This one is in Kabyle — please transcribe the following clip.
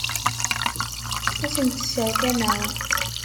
Ur tent-sserkameɣ.